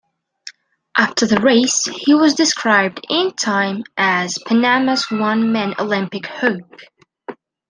After the race, he was described in "Time" as "Panama's one-man Olympic hope.